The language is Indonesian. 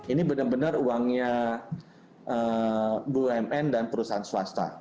ini benar benar uangnya bumn dan perusahaan swasta